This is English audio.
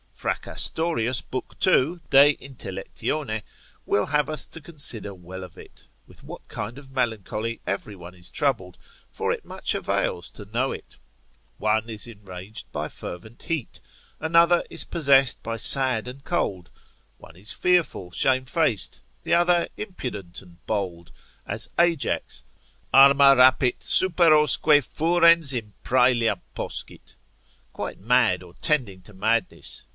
Fracastorius, l. 2. de intellect. will have us to consider well of it, with what kind of melancholy every one is troubled, for it much avails to know it; one is enraged by fervent heat, another is possessed by sad and cold; one is fearful, shamefaced; the other impudent and bold; as Ajax, Arma rapit superosque furens inpraelia poscit: quite mad or tending to madness.